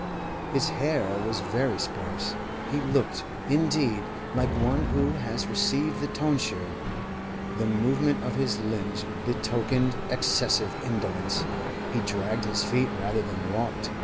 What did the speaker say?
His hair was very sparse; he looked, indeed, like one who has received the tonsure. The movement of his limbs betokened excessive indolence; he dragged his feet rather than walked.